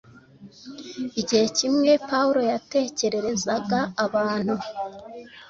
Igihe kimwe Pawulo yatekererezaga abantu